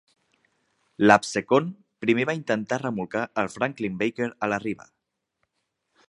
L'Absecon primer va intentar remolcar el Franklin Baker a la riba.